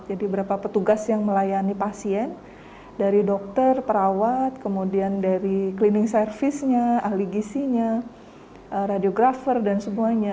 jadi berapa petugas yang melayani pasien dari dokter perawat kemudian dari cleaning service nya aligisinya radiographer dan semuanya